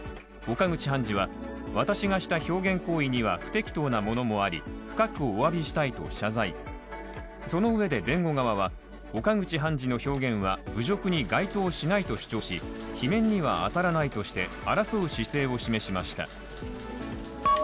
岡口判事は私がした表現行為には不適当な物もあり深くおわびしたい、そのうえで、弁護側は岡口判事の表現は侮辱に該当しないと主張し罷免には当たらないとして争う姿勢を示しました。